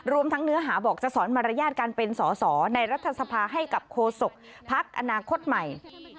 ทั้งเนื้อหาบอกจะสอนมารยาทการเป็นสอสอในรัฐสภาให้กับโคศกภักดิ์อนาคตใหม่